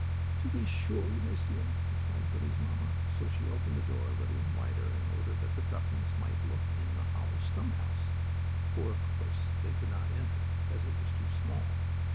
"To be sure, you may see him," replied Billie's mamma; so she opened the door a little wider in order that the ducklings might look in the hollow stumphouse, for of course they could not enter, as it was too small.